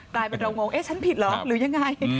กลายเป็นเรางงเอ๊ะฉันผิดเหรอหรือยังไง